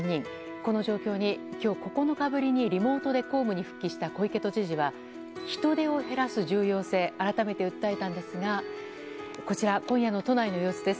この状況に今日９日ぶりにリモートで公務に復帰した小池知事は人出を減らす重要性を改めて、訴えたんですがこちら、今夜の都内の様子です。